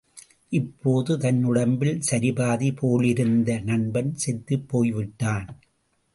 இப்போது தன் உடம்பில் சரிபாதி போலிருந்த நண்பன் செத்துப் போய்விட்டான்!